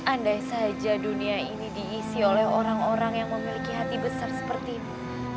andai saja dunia ini diisi oleh orang orang yang memiliki hati besar seperti ini